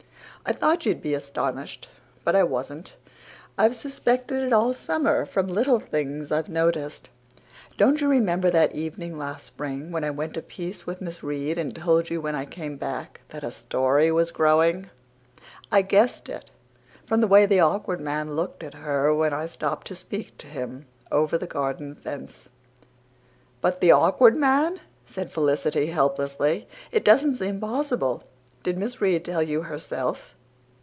I thought you'd be astonished. But I wasn't. I've suspected it all summer, from little things I've noticed. Don't you remember that evening last spring when I went a piece with Miss Reade and told you when I came back that a story was growing? I guessed it from the way the Awkward Man looked at her when I stopped to speak to him over his garden fence." "But the Awkward Man!" said Felicity helplessly. "It doesn't seem possible. Did Miss Reade tell you HERSELF?"